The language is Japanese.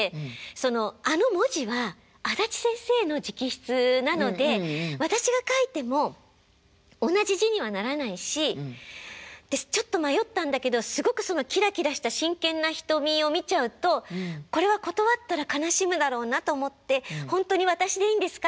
そのあの文字はあだち先生の直筆なので私が書いても同じ字にはならないしちょっと迷ったんだけどすごくキラキラした真剣な瞳を見ちゃうとこれは断ったら悲しむだろうなと思って「ほんとに私でいいんですか？」